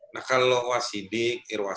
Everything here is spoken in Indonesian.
nah kalau uas hidik iruas hamsam